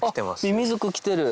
ミミズク来てる。